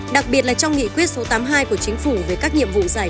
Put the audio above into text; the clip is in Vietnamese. đặc biệt là trong nghị quyết số tám mươi hai của chính phủ về các nhiệm vụ giải